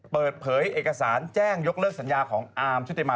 เปิดเผยเอกสารแจ้งยกเลิกสัญญาของอาร์มชุติมา